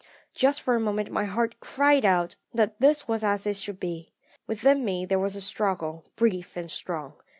"Just for a moment my heart cried out that this was as it should be. Within me there was a struggle, brief and strong.